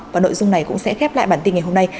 và nội dung này cũng sẽ khép lại bản tin ngày hôm nay